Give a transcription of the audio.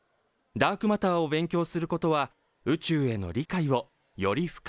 ダークマターを勉強することは宇宙への理解をより深めてくれるでしょう。